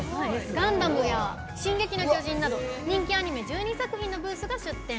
「ガンダム」や「進撃の巨人」など人気アニメ１２作品のブースが出展。